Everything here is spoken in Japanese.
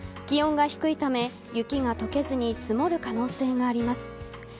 気温が低いため、雪が解けずに積もる可能性があります。